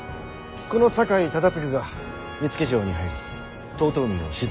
この酒井忠次が見附城に入り遠江を鎮めまする。